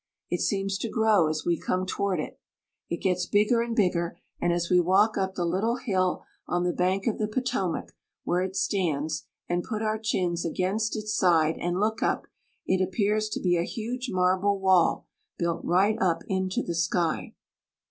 It seems to grow as we come toward it. It gets bigger and bigger, and as we walk up the lit tle hill on the bank of the Potomac where it stands, and put our chins against its side, and look up, it appears to be a huge marble wall built right up into^ the sky.